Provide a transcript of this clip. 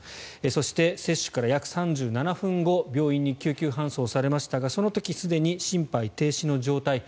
そして接種から約３７分後病院に救急搬送されましたがその時すでに心肺停止の状態。